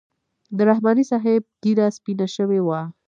د رحماني صاحب ږیره سپینه شوې وه.